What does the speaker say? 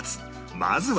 まずは